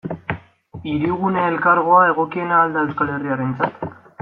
Hirigune Elkargoa egokiena al da euskal herritarrentzat?